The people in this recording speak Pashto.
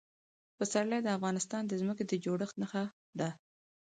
پسرلی د افغانستان د ځمکې د جوړښت نښه ده.